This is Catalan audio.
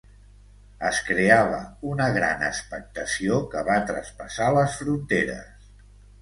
Es creava una gran expectació que va traspassar les fronteres.